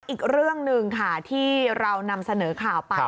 อีกเรื่องหนึ่งค่ะที่เรานำเสนอข่าวไป